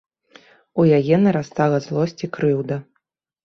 У яе нарастала злосць і крыўда.